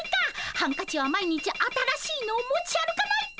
ハンカチは毎日新しいのを持ち歩かないと！